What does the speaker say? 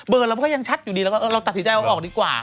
เบอร์เราก็ยังชัดอยู่ดีเราก็ตัดสินใจเอาออกดีกว่า